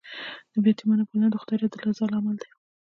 د یتیمانو پالنه د خدای د رضا لامل دی.